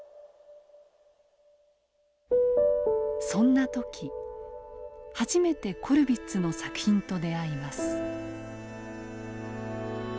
そんな時初めてコルヴィッツの作品と出会います。